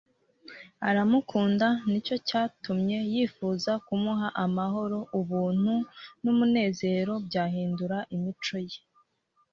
Aramukunda, nicyo cyatumye yifuza kumuha amahoro ubuntu n'umunezero, byahindura imico ye.